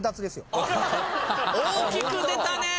大きく出たね。